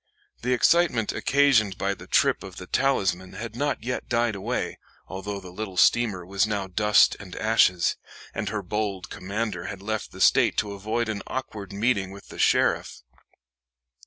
The excitement occasioned by the trip of the Talisman had not yet died away, although the little steamer was now dust and ashes, and her bold commander had left the State to avoid an awkward meeting with the sheriff.